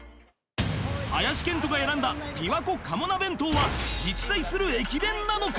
林遣都が選んだ琵琶湖カモ鍋ん当は実在する駅弁なのか？